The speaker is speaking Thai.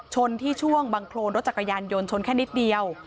ชนที่ช่วงบังโครนรถจักรยานยนต์ชนแค่นิดเดียว